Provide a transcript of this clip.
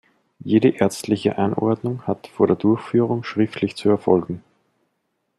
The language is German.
Jede ärztliche Anordnung hat vor der Durchführung schriftlich zu erfolgen.